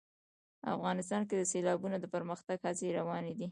افغانستان کې د سیلابونه د پرمختګ هڅې روانې دي.